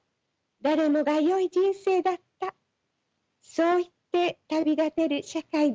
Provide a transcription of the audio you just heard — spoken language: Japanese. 誰もがよい人生だったそう言って旅立てる社会であってほしい。